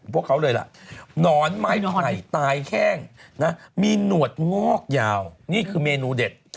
พวกเขาเลยล่ะหนอนไม้ไผ่ตายแห้งนะมีหนวดงอกยาวนี่คือเมนูเด็ด